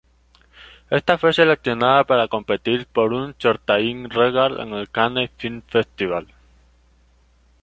Esta fue seleccionada para competir por Un Certain Regard en el Cannes Film Festival.